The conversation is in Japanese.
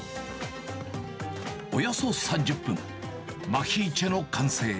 およそ３０分、マヒーチェの完成。